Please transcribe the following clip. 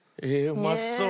うまそう！